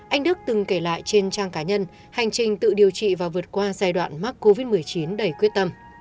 anh đức từng kể lại trên trang cá nhân hành trình tự điều trị và vượt qua giai đoạn mắc covid một mươi chín đầy quyết tâm